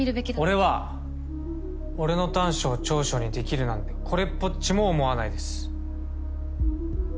俺は俺の短所を長所にできるなんてこれっぽっちも思わないです。